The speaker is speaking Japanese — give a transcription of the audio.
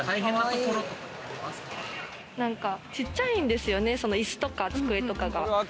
ちっちゃいんですよね、椅子とか机とかが。